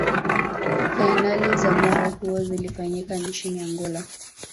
fainali za mwaka huo zilifanyika nchini angola